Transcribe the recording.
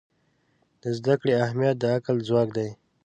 د زده کړې اهمیت د عقل ځواک دی.